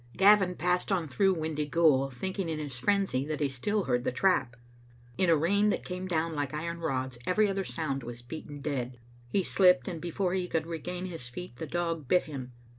Gavin passed on through Windyghoul, thinking in his frenzy that he still heard the trap. In a rain that came down like iron rods every other sound was beaten dead. He slipped, and before he could regain his feet the dog bit him.